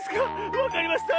わかりました。